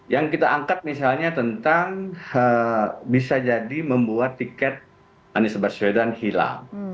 yang kita angkat misalnya tentang bisa jadi membuat tiket anies baswedan hilang